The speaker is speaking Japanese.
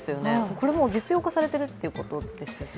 これもう実用化されているということですよね。